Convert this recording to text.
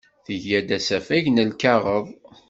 Tga-d asafag n lkaɣeḍ.